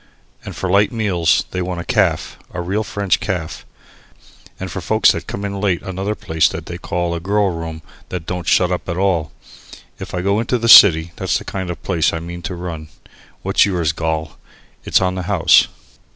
And for light meals they want a Caff, a real French Caff, and for folks that come in late another place that they call a Girl Room that don't shut up at all. If I go to the city that's the kind of place I mean to run. What's yours, Gol? It's on the house?"